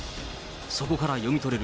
そこから読み取れる